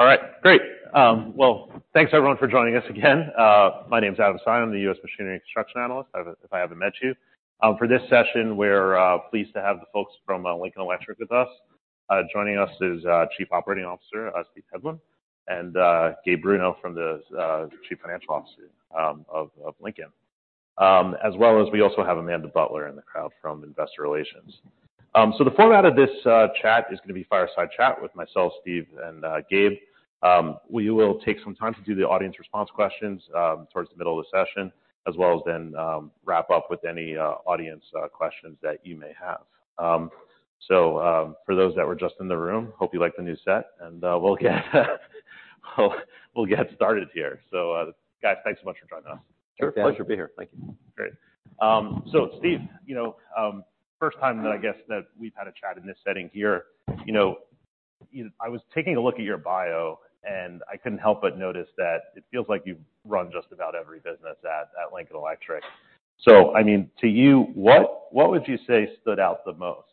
All right, great. Well, thanks everyone for joining us again. My name is Adam Seiden, I'm the US Machinery Construction Analyst, if I haven't met you. For this session, we're pleased to have the folks from Lincoln Electric with us. Joining us is our Chief Operating Officer, Steven Hedlund, and Gabriel Bruno from the Chief Financial Officer of Lincoln. As well as we also have Amanda Butler in the crowd from Investor Relations. The format of this chat is gonna be fireside chat with myself, Steve and Gabe. We will take some time to do the audience response questions towards the middle of the session, as well as then wrap up with any audience questions that you may have. For those that were just in the room, hope you like the new set and, we'll get started here. Guys, thanks so much for joining us. Sure. Pleasure to be here. Thank you. Great. Steve, you know, first time that I guess that we've had a chat in this setting here. You know, I was taking a look at your bio, and I couldn't help but notice that it feels like you've run just about every business at Lincoln Electric. I mean, to you, what would you say stood out the most,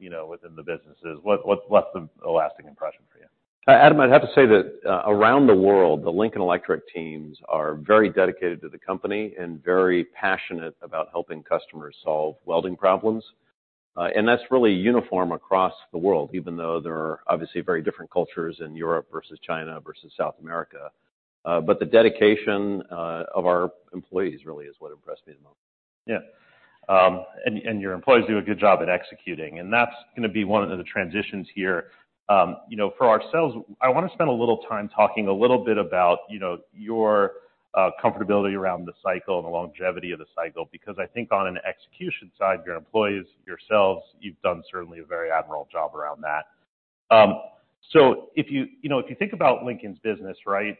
you know, within the businesses? What, what left a lasting impression for you? Adam, I'd have to say that around the world, the Lincoln Electric teams are very dedicated to the company and very passionate about helping customers solve welding problems. That's really uniform across the world, even though there are obviously very different cultures in Europe versus China versus South America. The dedication of our employees really is what impressed me the most. Yeah. Your employees do a good job at executing, and that's gonna be one of the transitions here. You know, for ourselves, I wanna spend a little time talking a little bit about, you know, your comfortability around the cycle and the longevity of the cycle, because I think on an execution side, your employees, yourselves, you've done certainly a very admirable job around that. If you know, if you think about Lincoln's business, right,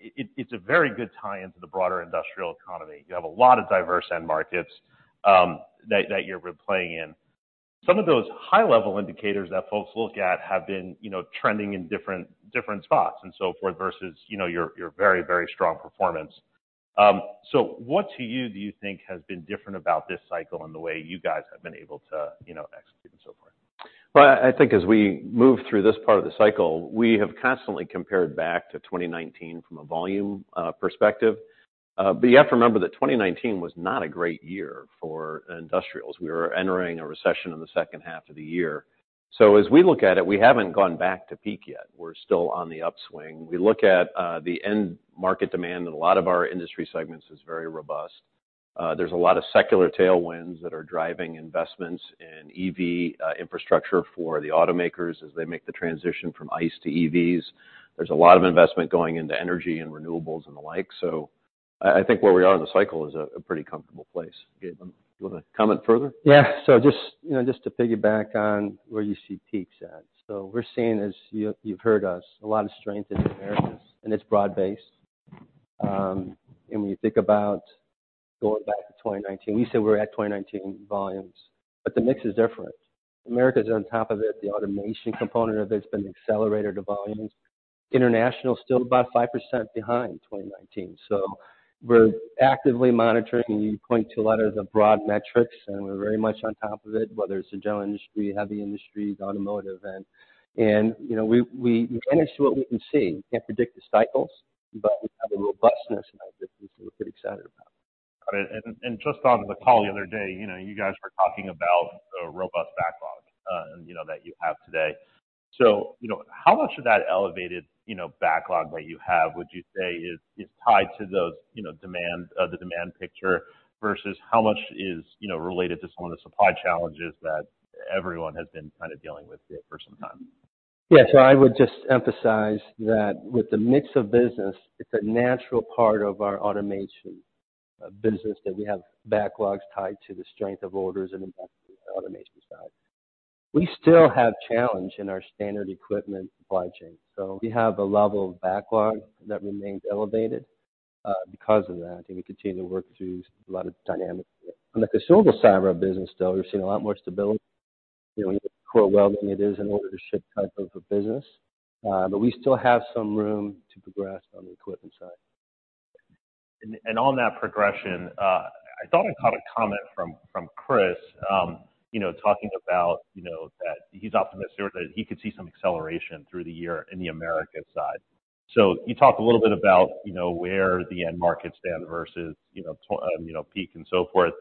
it's a very good tie into the broader industrial economy. You have a lot of diverse end markets, that you're playing in. Some of those high-level indicators that folks look at have been, you know, trending in different spots and so forth versus, you know, your very, very strong performance. What do you think has been different about this cycle and the way you guys have been able to, you know, execute and so forth? Well, I think as we move through this part of the cycle, we have constantly compared back to 2019 from a volume perspective. You have to remember that 2019 was not a great year for industrials. We were entering a recession in the H2 of the year. As we look at it, we haven't gone back to peak yet. We're still on the upswing. We look at the end market demand in a lot of our industry segments is very robust. There's a lot of secular tailwinds that are driving investments in EV infrastructure for the automakers as they make the transition from ICE to EVs. There's a lot of investment going into energy and renewables and the like. I think where we are in the cycle is a pretty comfortable place. Gabe, you wanna comment further? Yeah. Just, you know, just to piggyback on where you see peaks at. When you think about going back to 2019, we said we're at 2019 volumes, but the mix is different. America is on top of it. The automation component of it has been an accelerator to volumes. International is still about 5% behind 2019. We're actively monitoring. You point to a lot of the broad metrics, and we're very much on top of it, whether it's the general industry, heavy industry, the automotive end. You know, we manage what we can see. We can't predict the cycles, but we have a robustness about business that we're pretty excited about. Got it. Just on the call the other day, you know, you guys were talking about a robust backlog, you know, that you have today. You know, how much of that elevated, you know, backlog that you have, would you say is tied to those, you know, demand, the demand picture versus how much is, you know, related to some of the supply challenges that everyone has been kind of dealing with for some time? Yeah. I would just emphasize that with the mix of business, it's a natural part of our automation business that we have backlogs tied to the strength of orders and investment on the automation side. We still have challenge in our standard equipment supply chain, so we have a level of backlog that remains elevated, because of that, and we continue to work through a lot of dynamics there. On the consumable side of our business, though, we've seen a lot more stability. You know, core welding, it is an order to ship type of a business, but we still have some room to progress on the equipment side. On that progression, I thought I caught a comment from Chris, you know, talking about, you know, that he's optimistic that he could see some acceleration through the year in the Americas side. Can you talk a little bit about, you know, where the end markets stand versus, you know, peak and so forth?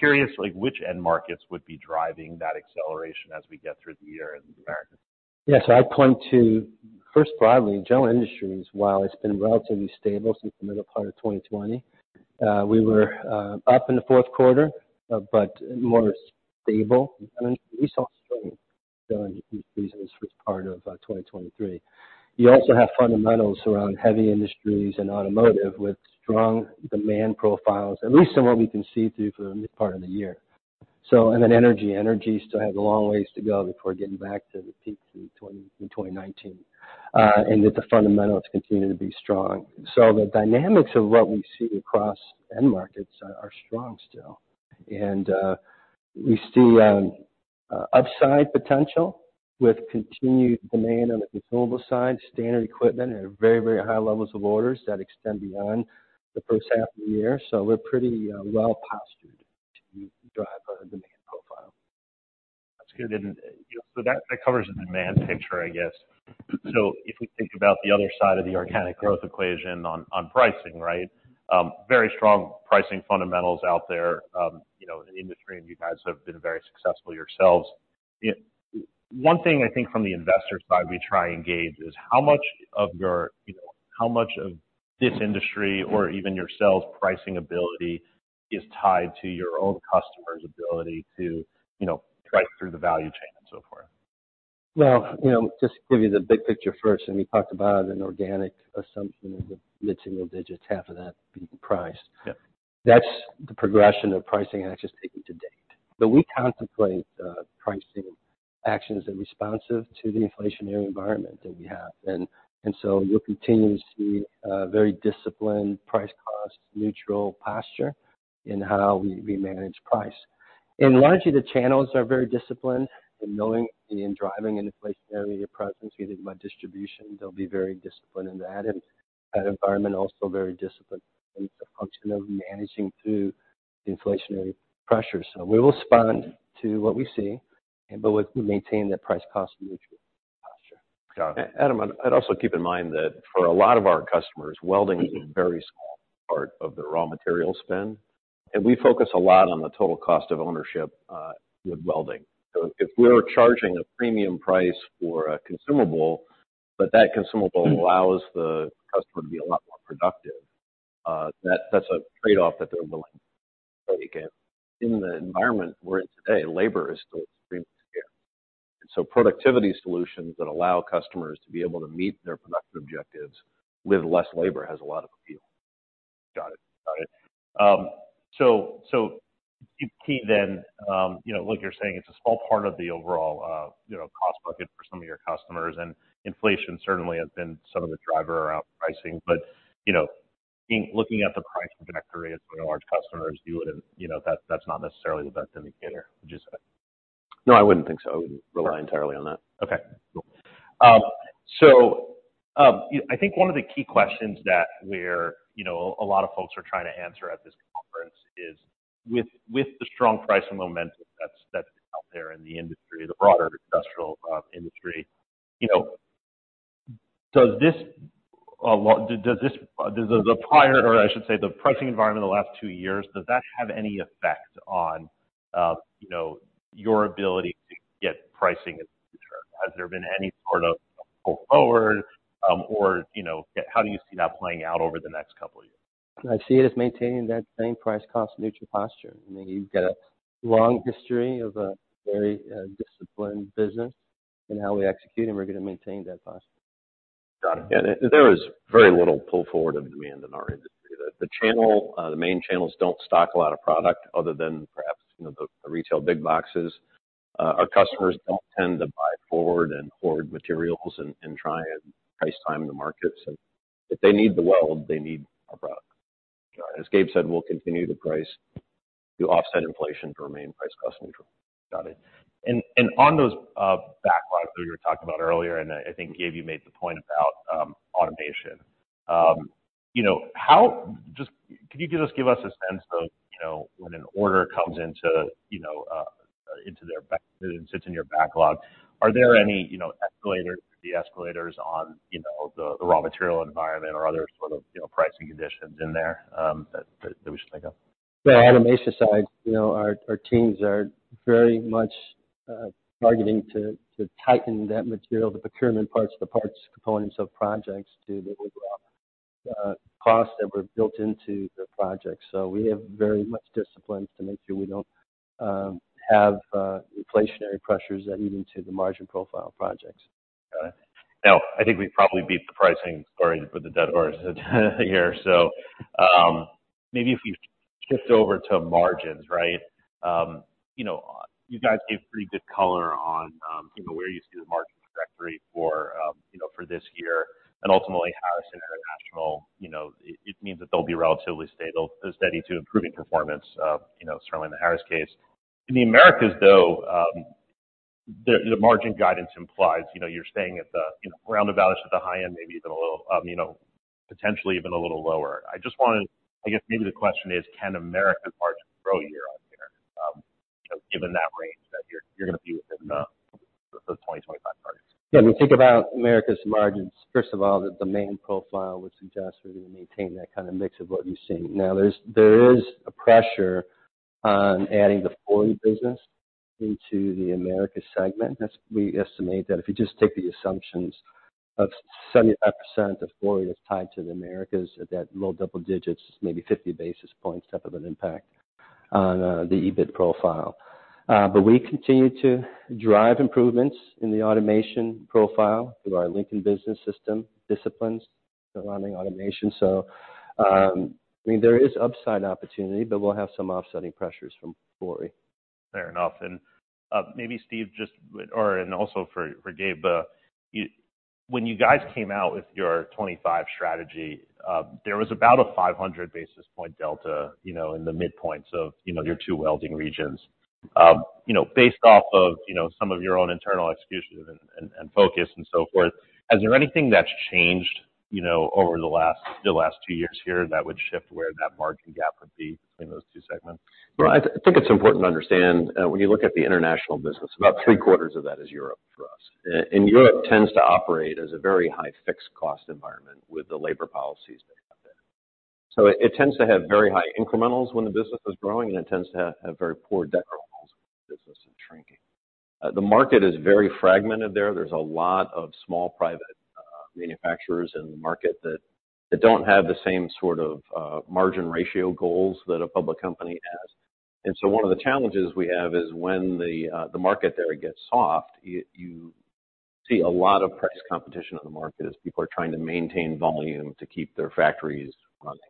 Curious, like, which end markets would be driving that acceleration as we get through the year in the Americas? Yes. I point to, first broadly, general industries, while it's been relatively stable since the middle part of 2020, we were up in the Q4, but more stable. We saw strength during this first part of 2023. You also have fundamentals around heavy industries and automotive with strong demand profiles, at least in what we can see through for the mid part of the year. Then energy. Energy still has a long ways to go before getting back to the peaks in 2019, that the fundamentals continue to be strong. The dynamics of what we see across end markets are strong still. We see upside potential with continued demand on the consumable side. Standard equipment at very, very high levels of orders that extend beyond the first half of the year. we're pretty, well-postured to drive growth. That's good. That, that covers the demand picture, I guess. If we think about the other side of the organic growth equation on pricing, right? Very strong pricing fundamentals out there, you know, in the industry, and you guys have been very successful yourselves. You know, one thing I think from the investor side we try and gauge is how much of your, you know, how much of this industry or even your sales pricing ability is tied to your own customer's ability to, you know, price through the value chain and so forth. Well, you know, just to give you the big picture first, we talked about an organic assumption of the mid-single digits, half of that being priced. Yeah. That's the progression of pricing actions taken to date. We contemplate pricing actions in responsive to the inflationary environment that we have. You'll continue to see a very disciplined price cost neutral posture in how we manage price. Largely, the channels are very disciplined in knowing and driving an inflationary presence. You think about distribution, they'll be very disciplined in that. That environment also very disciplined. It's a function of managing through the inflationary pressures. We will respond to what we see, but we maintain that price cost neutral posture. Got it. Adam, I'd also keep in mind that for a lot of our customers, welding is a very small part of their raw material spend, and we focus a lot on the total cost of ownership, with welding. If we're charging a premium price for a consumable, but that consumable allows the customer to be a lot more productive, that's a trade-off that they're willing to take. In the environment we're in today, labor is still extremely scarce. Productivity solutions that allow customers to be able to meet their productive objectives with less labor has a lot of appeal. Got it. Got it. Key then, you know, like you're saying, it's a small part of the overall, you know, cost bucket for some of your customers, and inflation certainly has been some of the driver around pricing. You know, looking at the price trajectory as what our large customers do it and, you know, that's not necessarily the best indicator, would you say? No, I wouldn't think so. I wouldn't rely entirely on that. Okay, cool. You know, I think one of the key questions that we're, you know, a lot of folks are trying to answer at this conference is with the strong pricing momentum that's out there in the industry, the broader industrial industry, you know, does the prior, or I should say the pricing environment in the last two years, does that have any effect on, you know, your ability to get pricing as a return? Has there been any sort of pull-forward, or, you know, how do you see that playing out over the next couple of years? I see it as maintaining that same price cost neutral posture. I mean, you've got a long history of a very disciplined business in how we execute, and we're gonna maintain that posture. Got it. Yeah. There is very little pull forward of demand in our industry. The channel, the main channels don't stock a lot of product other than perhaps, you know, the retail big boxes. Our customers don't tend to buy forward and hoard materials and try and price time the markets. If they need to weld, they need our product. Got it. As Gabe said, we'll continue to price to offset inflation to remain price cost neutral. Got it. On those backlogs that we were talking about earlier, and I think, Gabe, you made the point about automation. You know, just could you give us a sense of, you know, when an order comes into, sits in your backlog? Are there any, you know, escalators or de-escalators on, you know, the raw material environment or other sort of, you know, pricing conditions in there, that we should think of? The automation side, you know, our teams are very much targeting to tighten that material, the procurement parts, the parts components of projects to the overall costs that were built into the project. We have very much disciplines to make sure we don't have inflationary pressures that lead into the margin profile projects. Got it. Now, I think we've probably beat the pricing story for the dead horse here. Maybe if you shift over to margins, right? You know, you guys gave pretty good color on, you know, where you see the margin trajectory for, you know, for this year and ultimately Harris and International, you know, it means that they'll be relatively stable, steady to improving performance, you know, certainly in the Harris case. In the Americas, though, the margin guidance implies, you know, you're staying at the, you know, around the balance at the high end, maybe even a little, you know, potentially even a little lower. I guess maybe the question is, can Americas' margin grow year-on-year, given that range that you're gonna be within the 2025 targets? Yeah. When you think about Americas' margins, first of all, the main profile would suggest we're gonna maintain that kinda mix of what you're seeing. There is a pressure on adding the Fori business into the Americas segment. We estimate that if you just take the assumptions of 75% of Fori is tied to the Americas at that low double digits, maybe 50 basis points type of an impact on the EBIT profile. We continue to drive improvements in the automation profile through our Lincoln Business System disciplines surrounding automation. I mean, there is upside opportunity, but we'll have some offsetting pressures from Fori. Fair enough. Maybe Steve, and also for Gabe. When you guys came out with your 2025 Strategy, there was about a 500 basis point delta, you know, in the midpoints of, you know, your two welding regions. You know, based off of, you know, some of your own internal execution and focus and so forth. Is there anything that's changed, you know, over the last two years here that would shift where that margin gap would be between those two segments? I think it's important to understand when you look at the international business, about Q3 of that is Europe for us. Europe tends to operate as a very high fixed cost environment with the labor policies that they have there. It tends to have very high incrementals when the business is growing, and it tends to have very poor decrementals when the business is shrinking. The market is very fragmented there. There's a lot of small private manufacturers in the market that don't have the same sort of margin ratio goals that a public company has. One of the challenges we have is when the market there gets soft, you see a lot of price competition in the market as people are trying to maintain volume to keep their factories running.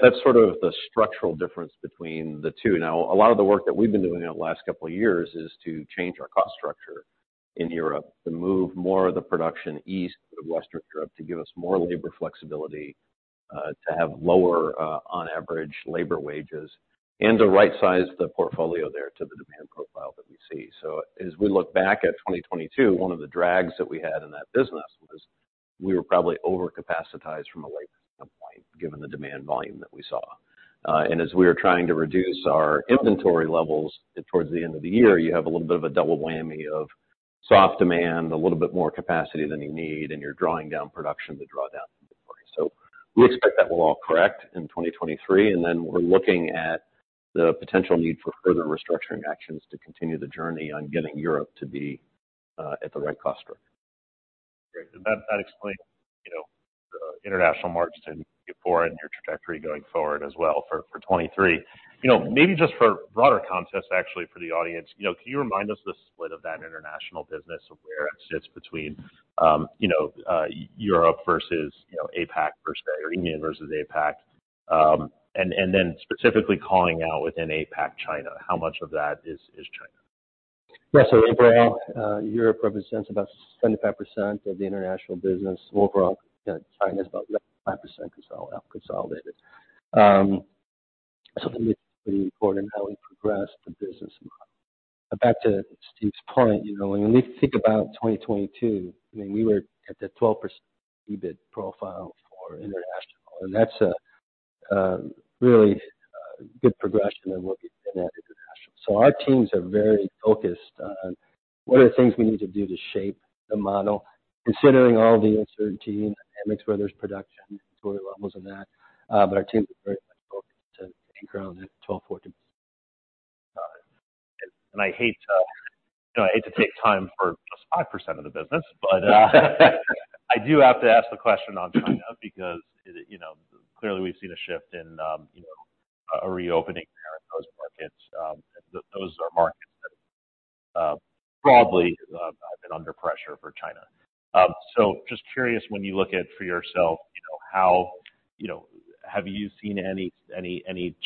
That's sort of the structural difference between the two. A lot of the work that we've been doing over the last couple of years is to change our cost structure in Europe, to move more of the production east of Western Europe to give us more labor flexibility, to have lower, on average labor wages and to right size the portfolio there to the demand profile that we see. As we look back at 2022, one of the drags that we had in that business was we were probably over-capacitized from a labor standpoint, given the demand volume that we saw. As we are trying to reduce our inventory levels towards the end of the year, you have a little bit of a double whammy of soft demand, a little bit more capacity than you need, and you're drawing down production to draw down inventory. We expect that will all correct in 2023. Then we're looking at the potential need for further restructuring actions to continue the journey on getting Europe to be at the right cost structure. Great. That explains, you know, the international markets and before in your trajectory going forward as well for 2023. You know, maybe just for broader context, actually, for the audience, you know, can you remind us the split of that international business of where it sits between, you know, Europe versus, you know, APAC versus or India versus APAC? Then specifically calling out within APAC, China. How much of that is China? Overall, Europe represents about 75% of the international business overall. China is about less than 5% consolidated. It's pretty important how we progress the business model. Back to Steve's point, you know, when we think about 2022, I mean, we were at the 12% EBIT profile for international. That's a really good progression that we're getting at international. Our teams are very focused on what are the things we need to do to shape the model, considering all the uncertainty in dynamics, whether it's production, inventory levels and that. Our teams are very much focused to anchor on that 12%, 14%. Got it. I hate to, you know, I hate to take time for just 5% of the business, I do have to ask the question on China because, you know, clearly we've seen a shift in, you know, a reopening there in those markets. Those are markets that, probably have been under pressure for China. Just curious, when you look at for yourself, you know, how, you know, have you seen any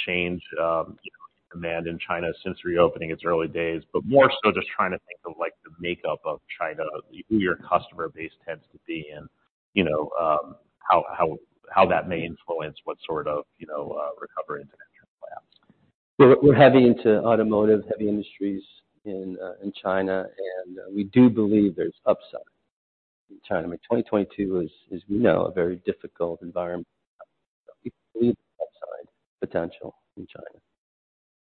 change, you know, in demand in China since reopening, its early days? More so just trying to think of, like, the makeup of China, who your customer base tends to be and, you know, how that may influence what sort of, you know, recovery you might see. We're heavy into automotive, heavy industries in China, and we do believe there's upside in China. I mean, 2022 was, as we know, a very difficult environment. We believe there's upside potential in China.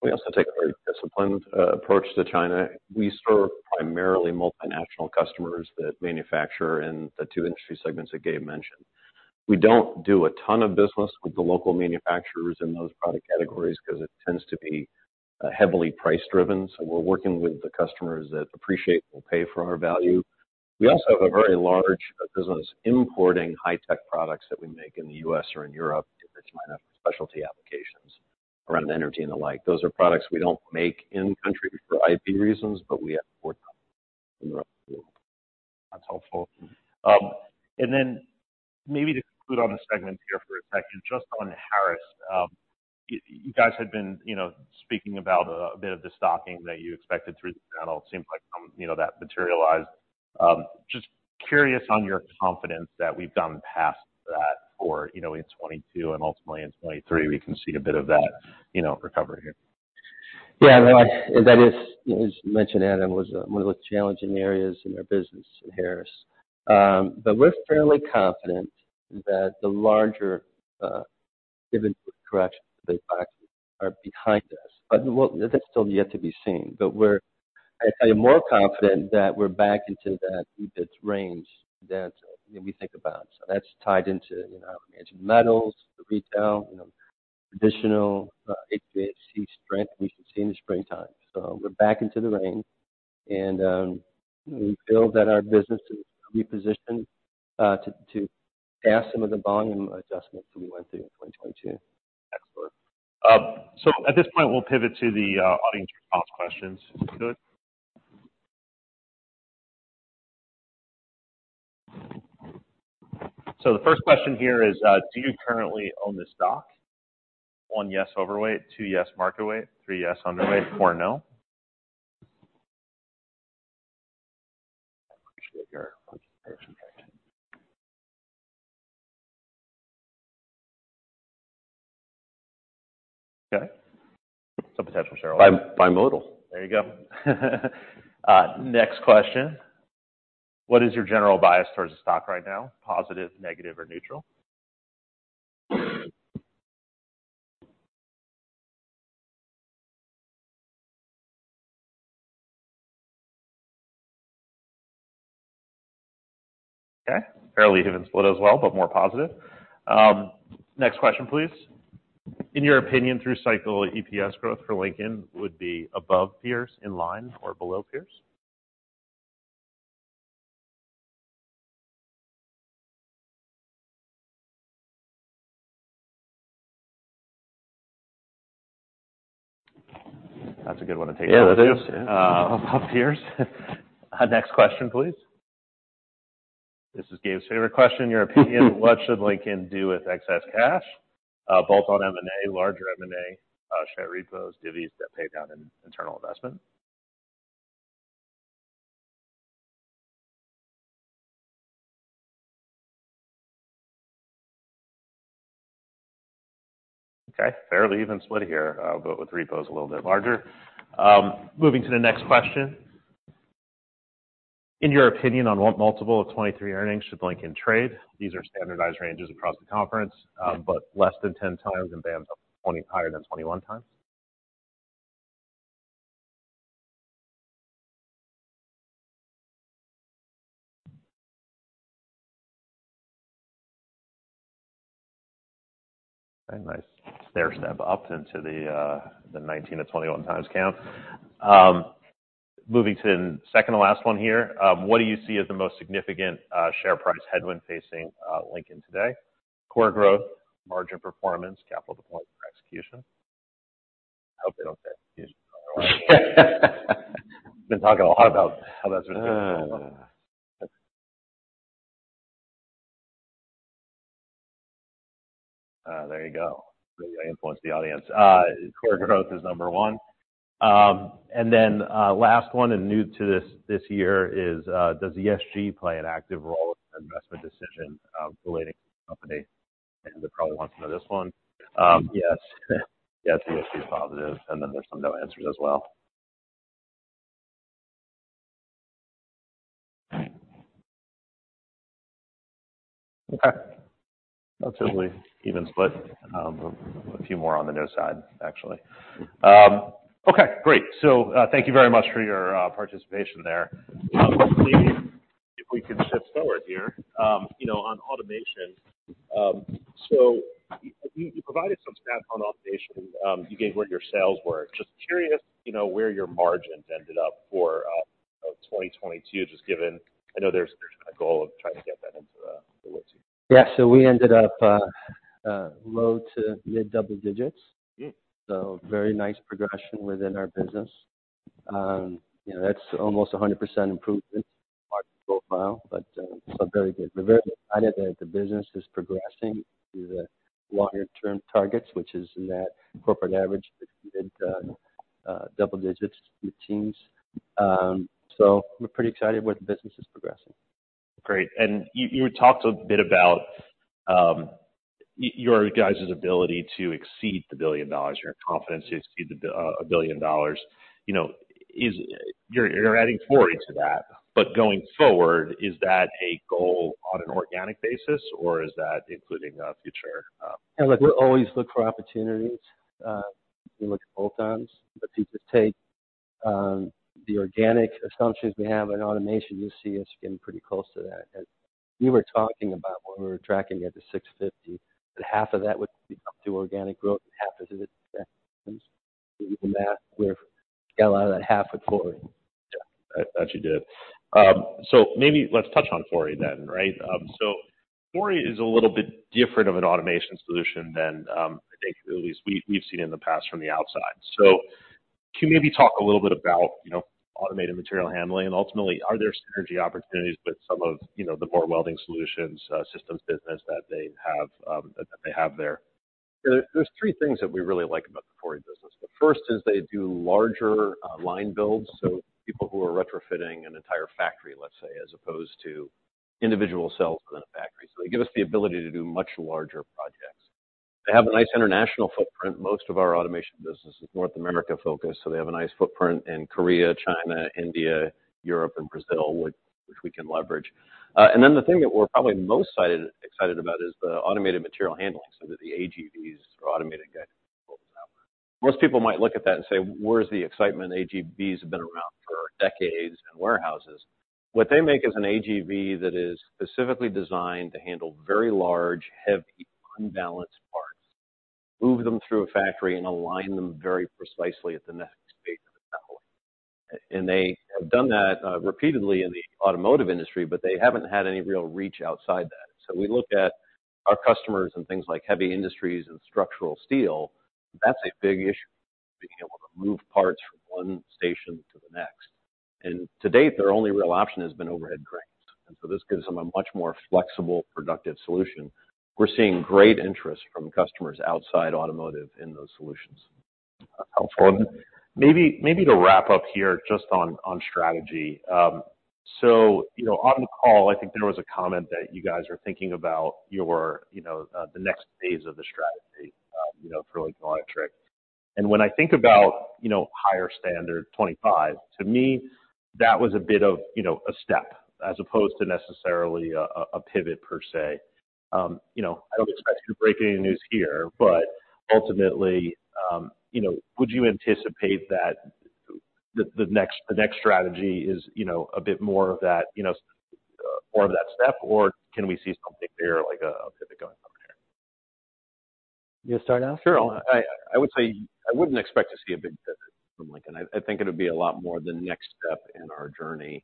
We also take a very disciplined approach to China. We serve primarily multinational customers that manufacture in the two industry segments that Gabe mentioned. We don't do a ton of business with the local manufacturers in those product categories 'cause it tends to be heavily price-driven. We're working with the customers that appreciate and will pay for our value. We also have a very large business importing high tech products that we make in the US or in Europe into China for specialty applications around energy and the like. Those are products we don't make in country for IP reasons, but we import them from Europe and the US. That's helpful. Maybe to conclude on the segment here for a second, just on Harris, you guys had been, you know, speaking about a bit of the stocking that you expected through the channel. It seems like, you know, that materialized. Just curious on your confidence that we've gone past that for, you know, in 2022 and ultimately in 2023, we can see a bit of that, you know, recovery here? That is, as you mentioned, Adam, was one of the challenging areas in our business in Harris. We're fairly confident that the larger given corrections to the box are behind us. That's still yet to be seen. We're, I'd say, more confident that we're back into that EBIT range that, you know, we think about. That's tied into, you know, managed metals, the retail, you know, traditional HVAC strength we should see in the springtime. We're back into the range and we feel that our business is repositioned to pass some of the volume adjustments that we went through in 2022. Excellent. At this point, we'll pivot to the audience response questions. Is that good? The first question here is, do you currently own the stock? one, yes, overweight. two, yes, market weight. three, yes, underweight. four, no. I appreciate your participation. Okay. Some potential Bimodal. There you go. Next question: What is your general bias towards the stock right now? Positive, negative, or neutral? Okay. Fairly even split as well, but more positive. Next question please. In your opinion, through cycle EPS growth for Lincoln would be above peers, in line, or below peers? That's a good one to take- Yeah, it is. Above peers. Next question please. This is Gabe's favorite question. In your opinion, what should Lincoln do with excess cash? Bolt-on M&A, larger M&A, share repos, dividends that pay down in internal investment. Okay, fairly even split here, but with repos a little bit larger. Moving to the next question. In your opinion, on what multiple of '23 earnings should Lincoln trade? These are standardized ranges across the conference, but less than 10x and BAM's up higher than 21x. A nice stair step up into the 19 to 21 times count. Moving to second to last one here. What do you see as the most significant share price headwind facing Lincoln today? Core growth, margin performance, capital deployment, or execution. Hope they don't say execution. Been talking a lot about how that's been going. Ah. There you go. I influenced the audience. Core growth is number one. Then, last one and new to this year is, does ESG play an active role in your investment decision relating to the company? Andrew probably wants to know this one. Yes. Yes, ESG is positive. Then there's some no answers as well. Okay. Relatively even split. A few more on the no side, actually. Okay, great. Thank you very much for your participation there. Hopefully if we can shift forward here, you know, on automation. You provided some stats on automation. You gave what your sales were. Just curious, you know, where your margins ended up for, 2020, 2022, just given I know there's been a goal of trying to get that mid-teens. Yeah. We ended up low to mid double digits. Mm-hmm. Very nice progression within our business. You know, that's almost a 100% improvement margin profile, but so very good. We're very excited that the business is progressing to the longer term targets, which is in that corporate average between double-digits mid-teens. We're pretty excited where the business is progressing. Great. You, you talked a bit about your guys' ability to exceed $1 billion, your confidence to exceed $1 billion. You know, you're adding Fori to that, but going forward, is that a goal on an organic basis or is that including future? Yeah, look, we always look for opportunities. We look at bolt-ons, but if you take the organic assumptions we have in automation, you'll see us getting pretty close to that. As we were talking about when we were tracking it to 650, that half of that would be up to organic growth and half is. Yeah. I thought you did. Maybe let's touch on Fori then, right? Fori is a little bit different of an automation solution than, I think at least we've seen in the past from the outside. Can you maybe talk a little bit about, you know, automated material handling and ultimately are there synergy opportunities with some of, you know, the more welding solutions systems business that they have there? There's three things that we really like about the Fori business. The first is they do larger line builds, so people who are retrofitting an entire factory, let's say, as opposed to individual cells within a factory. They give us the ability to do much larger projects. They have a nice international footprint. Most of our automation business is North America focused, so they have a nice footprint in Korea, China, India, Europe and Brazil, which we can leverage. Then the thing that we're probably most excited about is the automated material handling, so the AGVs or automated guided vehicles. Most people might look at that and say, "Where's the excitement? AGVs have been around for decades in warehouses. What they make is an AGV that is specifically designed to handle very large, heavy, unbalanced parts, move them through a factory and align them very precisely at the next stage of assembly. They have done that repeatedly in the automotive industry. They haven't had any real reach outside that. We look at our customers and things like heavy industries and structural steel, that's a big issue, being able to move parts from one station to the next. To date, their only real option has been overhead cranes. This gives them a much more flexible, productive solution. We're seeing great interest from customers outside automotive in those solutions. Helpful. Maybe, maybe to wrap up here just on strategy. You know, on the call, I think there was a comment that you guys are thinking about your, you know, the next phase of the strategy, you know, for Lincoln Electric. When I think about, you know, Higher Standard 2025, to me, that was a bit of, you know, a step as opposed to necessarily a pivot per se. You know, I don't expect you to break any news here, ultimately, you know, would you anticipate that the next strategy is, you know, a bit more of that, you know, more of that step, or can we see something there like a pivot going from there? You start, Al? Sure. I would say I wouldn't expect to see a big pivot from Lincoln. I think it'll be a lot more the next step in our journey.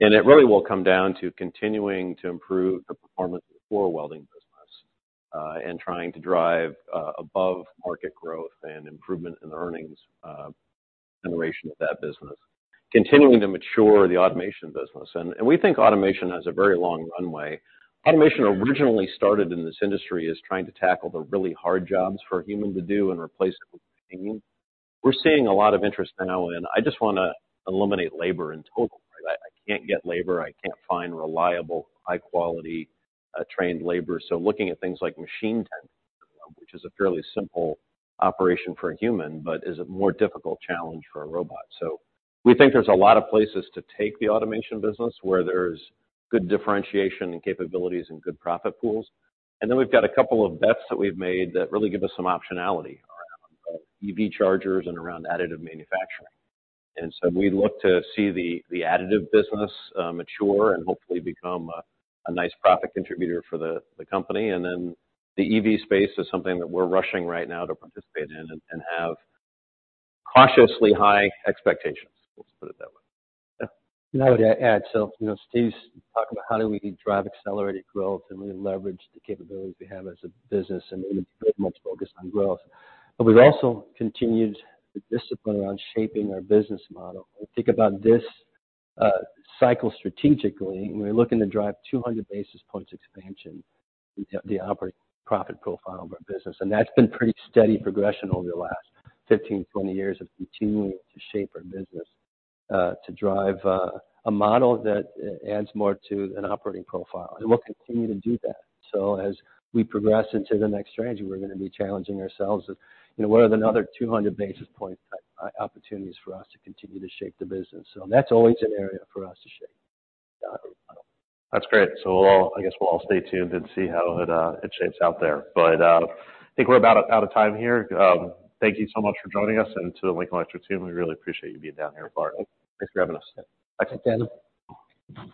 It really will come down to continuing to improve the performance of the floor welding business and trying to drive above market growth and improvement in the earnings generation of that business. Continuing to mature the automation business. We think automation has a very long runway. Automation originally started in this industry as trying to tackle the really hard jobs for a human to do and replace it with a human. We're seeing a lot of interest now in, "I just wanna eliminate labor in total. I can't get labor, I can't find reliable, high quality, trained labor. Looking at things like machine tech, which is a fairly simple operation for a human, but is a more difficult challenge for a robot. We think there's a lot of places to take the automation business where there's good differentiation and capabilities and good profit pools. Then we've got a couple of bets that we've made that really give us some optionality around EV chargers and around additive manufacturing. We look to see the additive business mature and hopefully become a nice profit contributor for the company. Then the EV space is something that we're rushing right now to participate in and have cautiously high expectations, let's put it that way. Yeah. I would add, so, you know, Steve's talking about how do we drive accelerated growth and really leverage the capabilities we have as a business, and it is very much focused on growth. We've also continued the discipline around shaping our business model. I think about this cycle strategically, and we're looking to drive 200 basis points expansion the operating profit profile of our business. That's been pretty steady progression over the last 15, 20 years of continuing to shape our business to drive a model that adds more to an operating profile. We'll continue to do that. As we progress into the next strategy, we're gonna be challenging ourselves with, you know, what are another 200 basis point type opportunities for us to continue to shape the business. That's always an area for us to shape, our model. That's great. I guess we'll all stay tuned and see how it shapes out there. I think we're about out of time here. Thank you so much for joining us and to the Lincoln Electric team. We really appreciate you being down here in Florida. Thanks for having us. Thanks again.